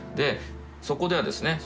そこではですね